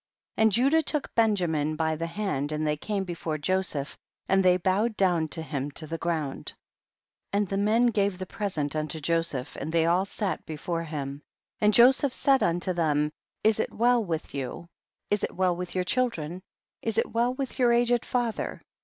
6. And Judah took Benjamin l)y the hand, and they came before Jo seph, and tiiey bowed down to him to the ground. 7. And the men gave the present unto Joseph and they all sat before him, and Joseph said unto them, is it well with you, is it well with your children, is it well with your aged father